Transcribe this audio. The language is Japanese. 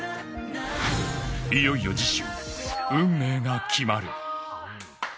いよいよ次週、運命が決まる。